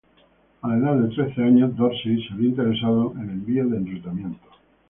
A la edad de trece años, Dorsey se había interesado en envió de enrutamiento.